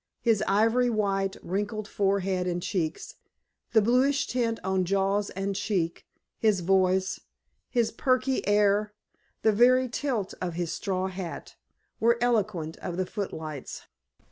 His ivory white, wrinkled forehead and cheeks, the bluish tint on jaws and chin, his voice, his perky air, the very tilt of his straw hat, were eloquent of the footlights.